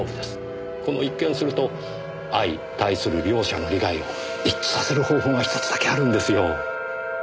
この一見すると相対する両者の利害を一致させる方法が１つだけあるんですよ。